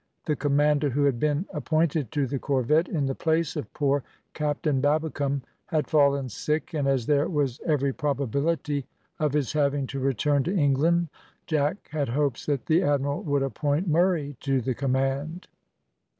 The commander who had been appointed to the corvette in the place of poor Captain Babbicome had fallen sick, and as there was every probability of his having to return to England, Jack had hopes that the admiral would appoint Murray to the command.